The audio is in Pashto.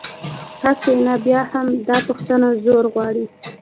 هسې، نه بیا هم، دا پوښتنه زور غواړي.